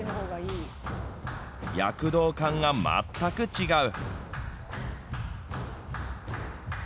躍動感が全く違う。